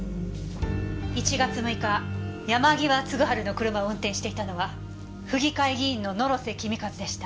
１月６日山際嗣治の車を運転していたのは府議会議員の野呂瀬公和でした。